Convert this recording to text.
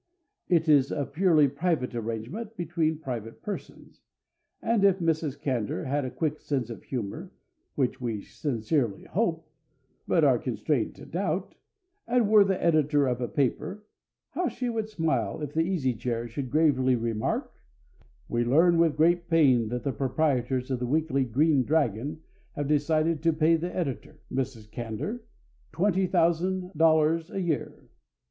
It is a purely private arrangement between private persons, and if Mrs. Candour had a quick sense of humor, which we sincerely hope, but are constrained to doubt, and were the editor of a paper, how she would smile if the Easy Chair should gravely remark: "We learn with great pain that the proprietors of the weekly Green Dragon have decided to pay the editor, Mrs. Candour, twenty thousand dollars a year.